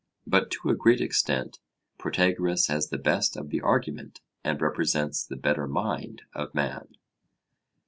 But to a great extent Protagoras has the best of the argument and represents the better mind of man.